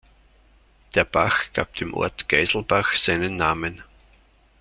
Der Bach gab dem Ort Geiselbach seinen Namen.